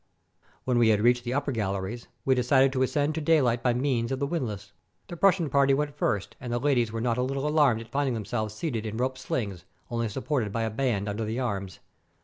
When we had reached the upper gal leries, we decided to ascend to dayHght by means of the windlass. The Prussian party went first, and the ladies were not a little alarmed at finding themselves seated in rope slings, only supported by a band under the arms.